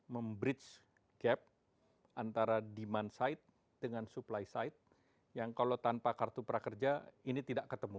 membridge gap antara demand side dengan supply side yang kalau tanpa kartu prakerja ini tidak ketemu